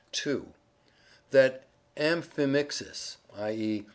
(2) "That amphimixis, i. e.